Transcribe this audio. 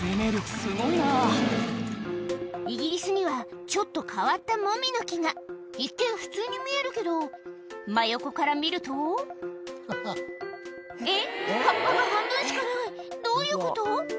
すごいなイギリスにはちょっと変わったモミの木が一見普通に見えるけど真横から見るとえっ葉っぱが半分しかないどういうこと？